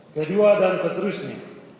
kedua dan seterusnya